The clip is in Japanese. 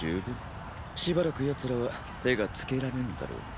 しばらく奴らは手がつけられぬだろう。